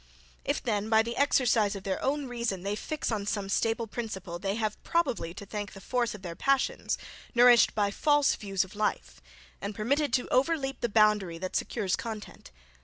If then by the exercise of their own reason, they fix on some stable principle, they have probably to thank the force of their passions, nourished by FALSE views of life, and permitted to overleap the boundary that secures content.